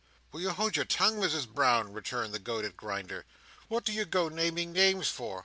"Will you hold your tongue, Misses Brown?" returned the goaded Grinder. "What do you go naming names for?